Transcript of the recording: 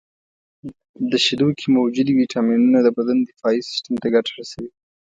• د شیدو کې موجودې ویټامینونه د بدن دفاعي سیستم ته ګټه رسوي.